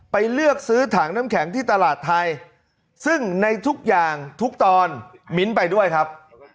เลือกซื้อถังน้ำแข็งที่ตลาดไทยซึ่งในทุกอย่างทุกตอนมิ้นไปด้วยครับ